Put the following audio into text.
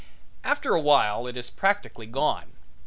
After a while it is practically gone.